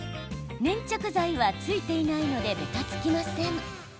粘着剤はついていないのでべたつきません。